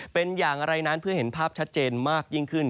เป็นอย่างไรนั้นเพื่อเห็นภาพชัดเจนมากยิ่งขึ้น